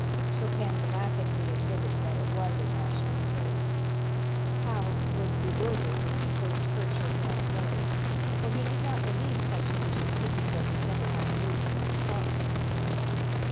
Chopin laughingly admitted that it was a national trait. Halle was bewildered when he first heard Chopin play, for he did not believe such music could be represented by musical signs.